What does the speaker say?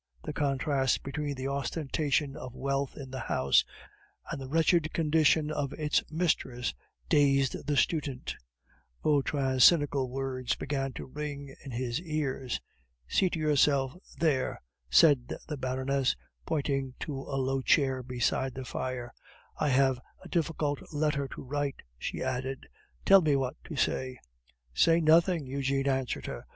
The contrast between the ostentation of wealth in the house, and the wretched condition of its mistress, dazed the student; and Vautrin's cynical words began to ring in his ears. "Seat yourself there," said the Baroness, pointing to a low chair beside the fire. "I have a difficult letter to write," she added. "Tell me what to say." "Say nothing," Eugene answered her.